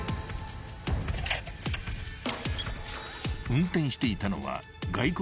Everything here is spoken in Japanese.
［運転していたのは］